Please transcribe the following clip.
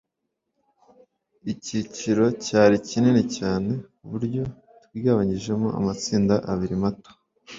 icyiciro cyari kinini cyane kuburyo twigabanyijemo amatsinda abiri mato